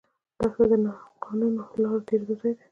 دښته د ناقانونه لارو تېرېدو ځای ده.